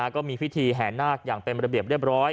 ก็มีพิธีแห่นหน้าอย่างเป็นประเภทเรียบร้อย